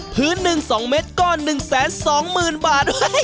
ผืนนึง๒เม็ดก็๑๒๐๐๐๐บาท